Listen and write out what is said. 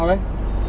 bao nhiêu hả